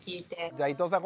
じゃあ伊藤さん